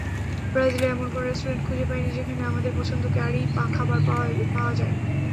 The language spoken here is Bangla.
ব্রাজিলে এমন কোনো রেস্টুরেন্ট খুঁজে পাইনি, যেখানে আমাদের পছন্দের কারি খাবার পাওয়া যায়।